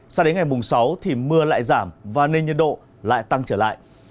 sao đến ngày mùng sáu thì mưa lại giảm và nên nhiệt độ lại tăng trở lại